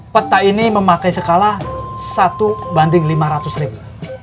peta ini memakai skala satu banding lima ratus ribu